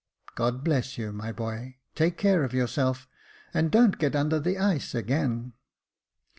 God bless you, my boy \ take care of yourself, and don't get under the ice again